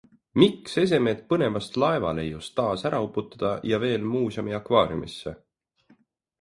Miks esemed põnevast laevaleiust taas ära uputada ja veel muuseumi akvaariumisse?